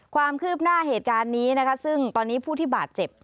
ความคืบหน้าเหตุการณ์นี้นะคะซึ่งตอนนี้ผู้ที่บาดเจ็บ